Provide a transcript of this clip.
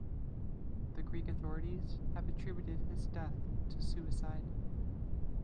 The Greek authorities have attributed his death to suicide.